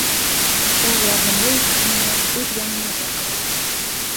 Ул яғымлы итеп мине үҙ янына саҡырҙы.